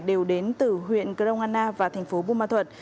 đều đến từ huyện grongana và thành phố bù mơ thuật